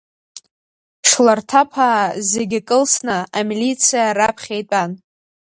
Шларҭаԥаа зегьы кылсны, амилициа раԥхьа итәан.